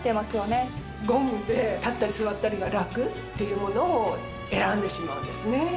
ゴムで立ったり座ったりがラクっていうものを選んでしまうんですね。